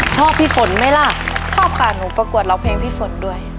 พี่ฝนไหมล่ะชอบค่ะหนูประกวดร้องเพลงพี่ฝนด้วย